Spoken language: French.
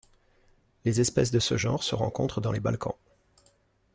Les espèces de ce genre se rencontrent dans les Balkans.